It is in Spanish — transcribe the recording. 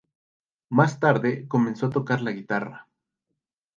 Más tarde comenzó a tocar la guitarra.